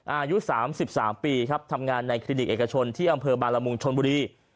อายุ๓๓ปีครับทำงานในคลินิกเอกชนที่อำเภอบาลมุงชนบุรี